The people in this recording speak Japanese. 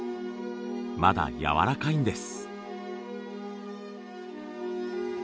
まだやわらかいんです。